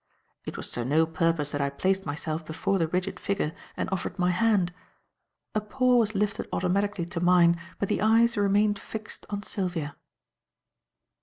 It was to no purpose that I placed myself before the rigid figure and offered my hand. A paw was lifted automatically to mine, but the eyes remained fixed on Sylvia.